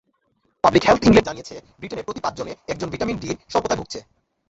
Public health England জানিয়েছে, ব্রিটেনে প্রতি পাঁচজনে একজন ভিটামিন ডি-র স্বল্পতায় ভুগছে।